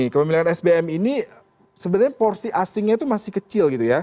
kemimpinan sbm ini sebenarnya porsi asingnya itu masih kecil